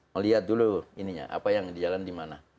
melihat dulu ininya apa yang jalan di mana